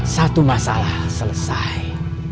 satu masalah selesai